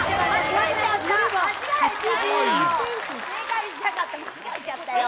間違えちゃったよ。